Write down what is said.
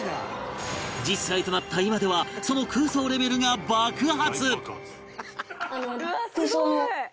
１０歳となった今ではその空想レベルが爆発！